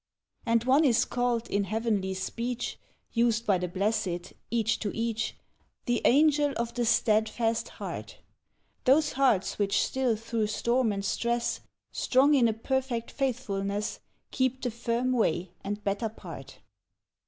And one is called in heavenly speech, Used by the Blessed each to each, " The Angel of the Steadfast Heart ": Those hearts which still through storm and stress, Strong in a perfect faithfulness, Keep the firm way and better part.